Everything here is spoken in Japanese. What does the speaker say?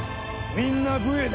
みんな武衛だ。